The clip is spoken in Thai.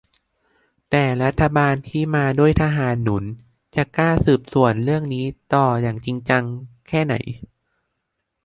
แต่รัฐบาลที่มาด้วยทหารหนุน จะกล้าสืบสวนเรื่องนี้ต่ออย่างจริงจังแค่ไหน